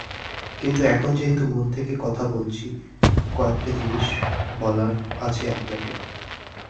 কিন্তু এখন যেহেতু মন থেকে কথা বলছি, কয়েকটা জিনিস বলার আছে আপনাকে।